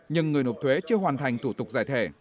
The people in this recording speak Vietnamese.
nhưng người nộp thuế chưa hoàn thành thủ tục giải thể